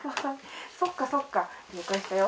そっかそっか、了解したよ。